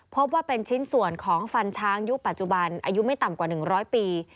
พบว่าเป็นชิ้นส่วนของฟันช้างยุคปัจจุบันอายุไม่ต่ำกว่า๑๐๐ปี